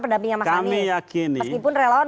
pendampingnya mas anies oke meskipun relawan